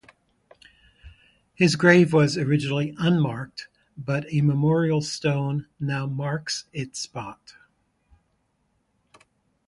His grave was originally unmarked, but a memorial stone now marks its spot.